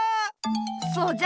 そうじゃ。